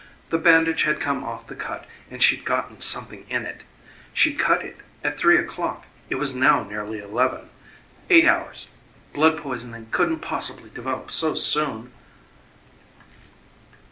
The bandage had come off the cut and she'd gotten something in it. She'd cut it at three o'clock it was now nearly eleven. Eight hours. Blood poisoning couldn't possibly develop so soon.